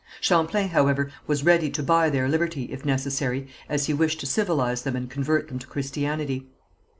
Champlain, however, was ready to buy their liberty, if necessary, as he wished to civilize them and convert them to Christianity.